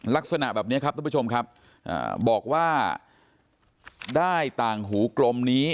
ลักษณะแบบนี้ครับทุกผู้ชมครับบอกว่าได้ต่างหูกลมนี้